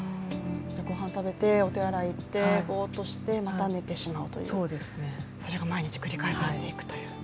ごはん食べて、お手洗い行って、ぼーっとしてまた寝てしまうという、それが毎日繰り返されていくという過眠期。